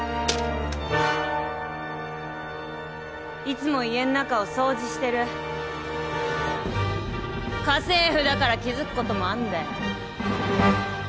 いつも家ん中を掃除してる家政婦だから気づく事もあんだよ。